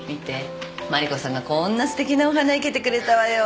麻里子さんがこんなすてきなお花生けてくれたわよ。